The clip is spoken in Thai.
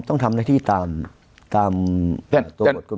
ต้องทำหน้าที่ตามตัวบทคุณหมอชนนั่น